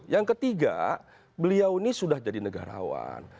yang ketiga beliau ini sudah jadi negarawan